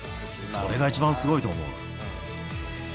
それが一番すごいと思う。